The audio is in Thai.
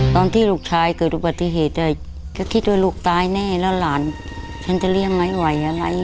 ตอนที่ลูกชายเกิดอุบัติเหตุก็คิดว่าลูกตายแน่แล้วหลานฉันจะเลี้ยงไม่ไหวอะไร